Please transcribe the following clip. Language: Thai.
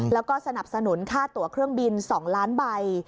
แล้วก็สนับสนุนค่าตัวเครื่องบิน๒ล้านใบ